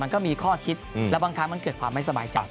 มันก็มีข้อคิดและบางครั้งมันเกิดความไม่สบายใจ